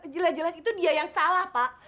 jelas jelas itu dia yang salah pak